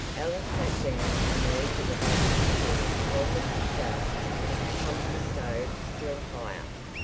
Alice sat down on the edge of a basket chair while Mrs. Stubbs pumped the stove still higher.